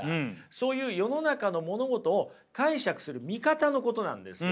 そういう世の中の物事を解釈する見方のことなんですよ。